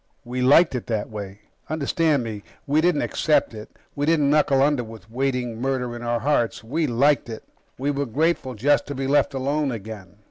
We liked it that way. Understand me we didn't accept it, we didn't knuckle under with waiting murder in our hearts we liked it. We were grateful just to be left alone again.